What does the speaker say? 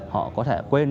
họ có thể quên